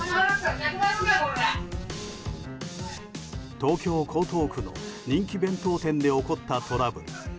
東京・江東区の人気弁当店で起こったトラブル。